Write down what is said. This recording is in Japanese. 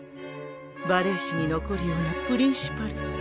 バレエ史に残るようなプリンシパル。